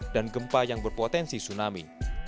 dan gempa yang berpotensi tsunami